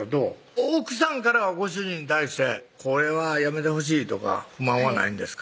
奥さんからはご主人に対してこれはやめてほしいとか不満はないんですか？